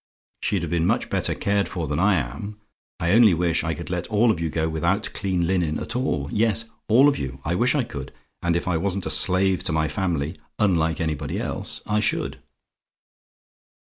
She'd have been much better cared for than I am. I only wish I could let all of you go without clean linen at all yes, all of you. I wish I could! And if I wasn't a slave to my family, unlike anybody else, I should.